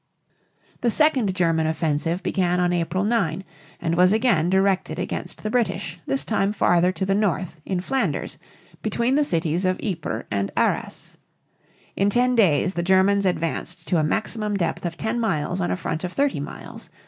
The second German offensive began on April 9 and was again directed against the British, this time farther to the north, in Flanders, between the cities of Ypres and Arras. In ten days the Germans advanced to a maximum depth of ten miles on a front of thirty miles.